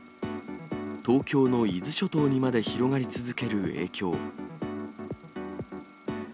東京の伊豆諸島にまで広がり続ける影響。